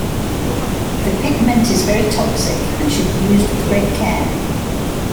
The pigment is very toxic, and should be used with great care.